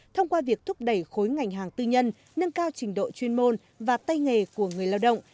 thông qua việc thúc đẩy khối ngành hàng tư nhân nâng cao trình độ chuyên môn và tay nghề của người lao động